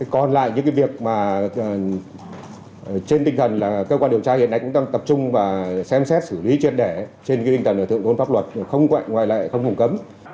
còn lại những cái việc mà trên tinh thần là cơ quan điều tra hiện nay cũng đang tập trung và xem xét xử lý triệt đẻ trên cái tầng nội thượng nguồn pháp luật không ngoại lại không hùng cấm